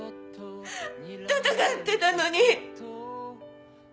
闘ってたのに。